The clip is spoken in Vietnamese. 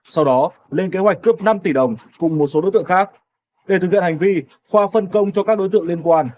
sau đó lên kế hoạch cướp năm tỷ đồng cùng một số đối tượng khác để thực hiện hành vi khoa phân công cho các đối tượng liên quan